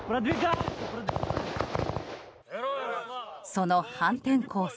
その反転攻勢。